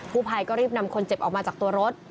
ผู้ภัยก็รีบนำคนเจ็บออกมาจากตัวรถ